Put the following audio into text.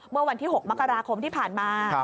เมื่อวันที่๖มกราคมที่ผ่านมา